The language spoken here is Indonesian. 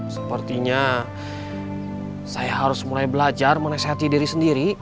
sepertinya saya harus mulai belajar menasehati diri sendiri